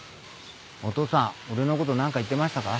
お義父さん俺のこと何か言ってましたか？